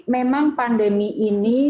memang pandemi ini